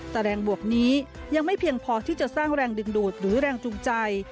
แต่แรงบวกนี้ยังไม่เพียงพอที่จะสร้างแรงดึงดูดหรือแรงจูงใจ